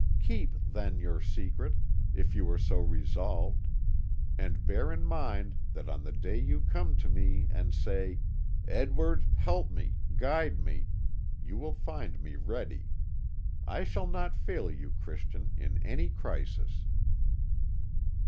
Keep, then, your secret, if you are so resolved, and bear in mind that on the day you come to me and say, 'Edward, help me, guide me,' you will find me ready. I shall not fail you, Christian, in any crisis."